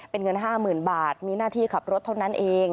เป็นเงิน๕๐๐๐บาทมีหน้าที่ขับรถเท่านั้นเอง